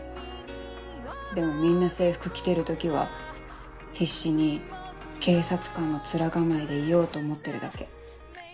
でもみんな制服着てる時は必死に警察官の面構えでいようと思ってるだけ。